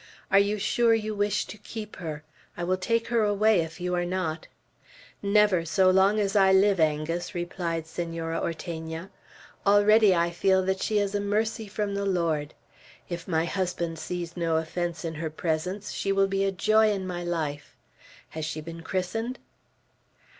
Are you sure you wish to keep her? I will take her away if you are not." "Never, so long as I live, Angus," replied Senora Ortegna. "Already I feel that she is a mercy from the Lord. If my husband sees no offence in her presence, she will be a joy in my life. Has she been christened?"